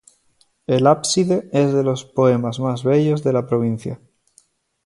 El ábside es de los más bellos de la provincia.